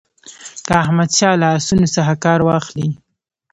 که احمدشاه له آسونو څخه کار واخلي.